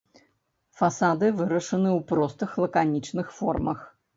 Фасады вырашаны ў простых лаканічных формах.